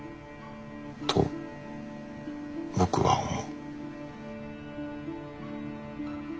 と僕は思う。